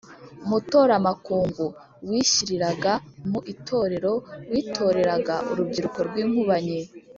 Mutoramakungu: wishyiriraga mu itorero, witoreraga urubyiruko rw’inkubanyi